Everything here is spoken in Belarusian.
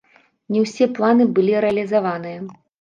Не ўсе планы былі рэалізаваныя.